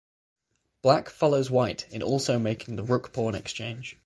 Black follows White in also making the rook pawn exchange.